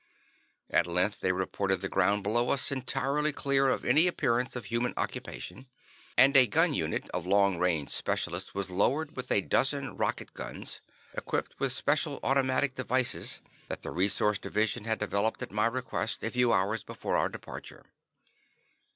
At length they reported the ground below us entirely clear of any appearance of human occupation, and a gun unit of long range specialists was lowered with a dozen rocket guns, equipped with special automatic devices that the Resources Division had developed at my request, a few hours before our departure.